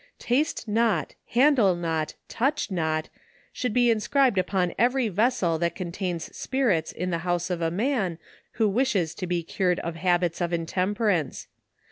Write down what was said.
« Taste not, han dle not, touch not," should be inscribed upon every vessel that contains spirits in the house of a man, who wishes to be cured of habits of intemperance.